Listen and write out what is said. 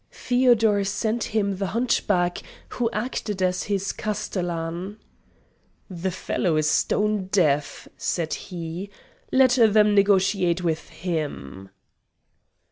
Feodor sent him the hunchback who acted as his castellan. "The fellow is stone deaf," said he; "let them negotiate with him!"